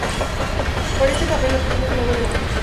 Por este papel obtuvo un "Globo de Oro".